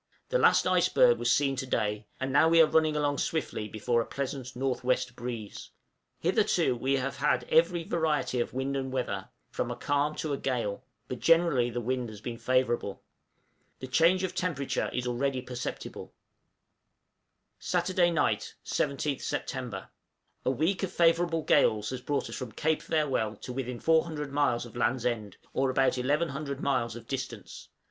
The last iceberg was seen to day; and now we are running along swiftly before a pleasant N.W. breeze. Hitherto we have had every variety of wind and weather, from a calm to a gale, but generally the wind has been favorable. The change of temperature is already perceptible. {VOYAGE HOME.} Saturday night, 17th Sept. A week of favorable gales has brought us from Cape Farewell to within 400 miles of Land's End, or about 1100 miles of distance.